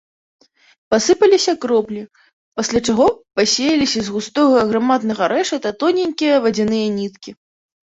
Пасыпаліся кроплі, пасля чаго пасеяліся з густога аграмаднага рэшата тоненькія вадзяныя ніткі.